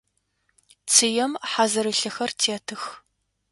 Цыем хьазырылъэхэр тетых.